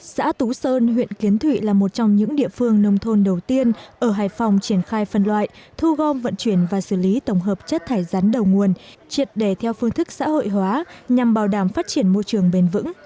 xã tú sơn huyện kiến thụy là một trong những địa phương nông thôn đầu tiên ở hải phòng triển khai phân loại thu gom vận chuyển và xử lý tổng hợp chất thải rắn đầu nguồn triệt đề theo phương thức xã hội hóa nhằm bảo đảm phát triển môi trường bền vững